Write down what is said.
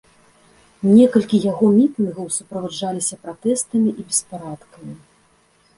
Некалькі яго мітынгаў суправаджаліся пратэстамі і беспарадкамі.